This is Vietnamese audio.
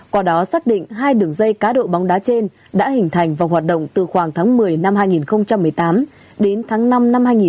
qua đó xác định hai đường dây cá độ bóng đá trên đã hình thành và hoạt động từ khoảng tháng một mươi năm hai nghìn một mươi tám đến tháng năm năm hai nghìn một mươi chín